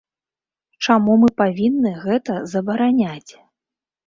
Чаму мы павінны гэта забараняць?